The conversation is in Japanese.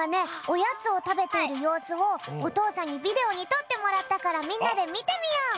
おやつをたべているようすをおとうさんにビデオにとってもらったからみんなでみてみよう。